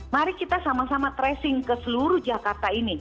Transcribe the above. mari kita sama sama tracing ke seluruh jakarta ini